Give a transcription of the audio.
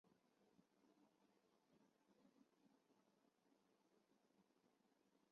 说没捡到